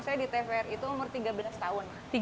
saya di tvri itu umur tiga belas tahun